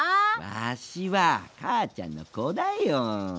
ワシは母ちゃんの子だよ。